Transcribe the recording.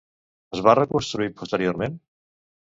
Es va reconstruir posteriorment?